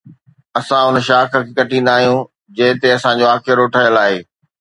اسان ان ئي شاخ کي ڪٽيندا آهيون جنهن تي اسان جو آکيرو ٺهيل آهي.